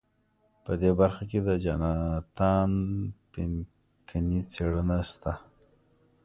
په دې برخه کې د جاناتان پینکني څېړنه شته.